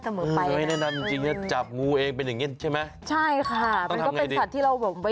จุดตามกูภัยไหม